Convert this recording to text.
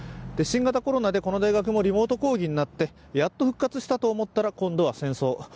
新型コロナでこの大学もリモート講義になってやっと復活したと思ったら、今度は紛争。